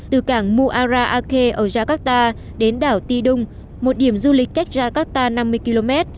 từ cảng muara ake ở jakarta đến đảo ti đung một điểm du lịch cách jakarta năm mươi km